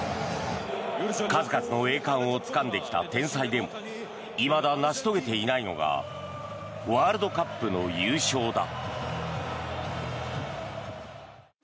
数々の栄冠をつかんできた天才でもいまだ成し遂げていないのがワールドカップの優勝だ。